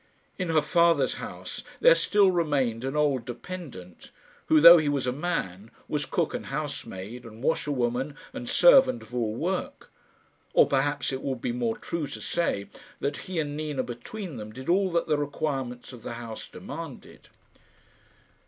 In her father's house there still remained an old dependant, who, though he was a man, was cook and housemaid, and washer woman and servant of all work; or perhaps it would be more true to say that he and Nina between them did all that the requirements of the house demanded.